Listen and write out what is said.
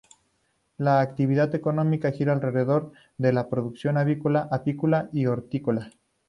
La actividad económica gira alrededor de la producción avícola, apícola y hortícola.